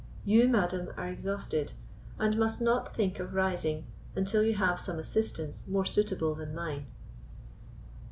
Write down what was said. You, madam, are exhausted, and must not think of rising until you have some assistance more suitable than mine."